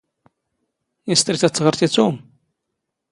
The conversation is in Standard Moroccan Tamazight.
ⵉⵙ ⵜⵔⵉⵜ ⴰⴷ ⵜⵖⵔⵜ ⵉ ⵜⵓⵎ?